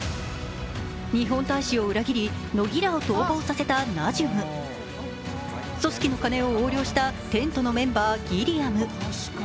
日本大使を裏切り乃木らを逃亡させたナジュム組織の金を横領したテントのメンバーギリアム。